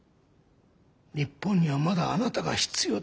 日本にはまだあなたが必要だ。